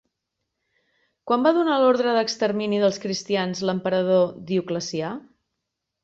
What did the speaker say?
Quan va donar l'ordre d'extermini dels cristians l'emperador Dioclecià?